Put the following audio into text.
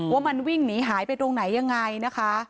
ว่ามันวิ่งหนีหายไปตรงไหนยังไงนะคะ